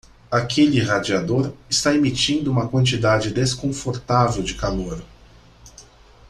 Aquele radiador está emitindo uma quantidade desconfortável de calor.